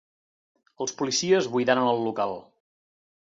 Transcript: Els policies buidaren el local.